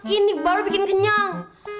ini baru bikin kenyang